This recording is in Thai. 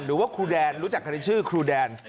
หรือว่าครูแดนรู้จักกันในชื่อครูแดน